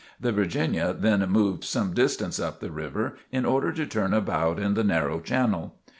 The "Virginia" then moved some distance up the river in order to turn about in the narrow channel.